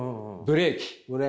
ブレーキ。